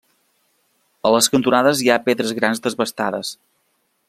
A les cantonades hi ha pedres grans desbastades.